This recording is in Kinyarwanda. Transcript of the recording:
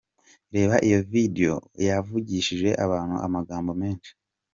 Reba iyo videwo yavugishije abantu amagambo menshi.